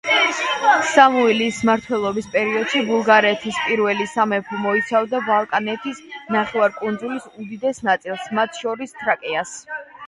სამუილის მმართველობის პერიოდში ბულგარეთის პირველი სამეფო მოიცავდა ბალკანეთის ნახევარკუნძულის უდიდეს ნაწილს, მათ შორის თრაკიას.